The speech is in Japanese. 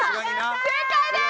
正解です！